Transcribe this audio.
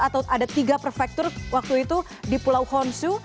atau ada tiga prefektur waktu itu di pulau honsu